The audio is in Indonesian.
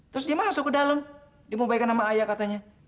terus dia masuk ke dalam dia mau baikan nama ayah katanya